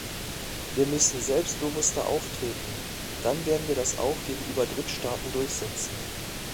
Wir müssen selbstbewusster auftreten, dann werden wir das auch gegenüber Drittstaaten durchsetzen.